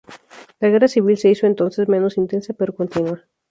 La guerra civil se hizo entonces menos intensa pero continua.